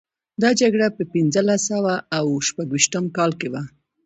دا جګړه په پنځلس سوه او شپږویشتم کال کې وه.